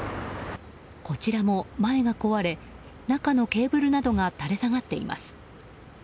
こちらも前が壊れ中のケーブルなどが垂れ下がっています。